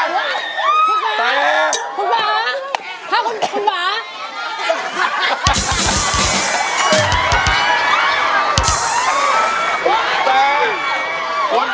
คุณผา